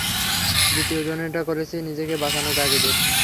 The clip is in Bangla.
দ্বিতীয়জনেরটা করেছি নিজেকে বাঁচানোর তাগিদে।